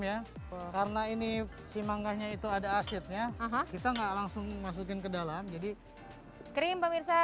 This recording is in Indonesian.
ya karena ini simangannya itu ada asetnya kita enggak langsung masukin ke dalam jadi krim pemirsa